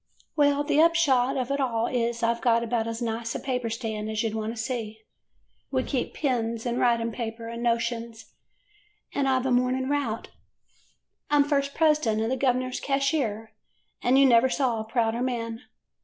"Well, the upshot of it all is I 've got about as nice a paper stand as you 'd want to see. We keep pens, and writing paper, and notions, and I 've a morning route. I 'm first president and the gov'ner 's cashier, an' you never saw a prouder man.